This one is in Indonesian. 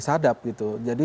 di sadap gitu jadi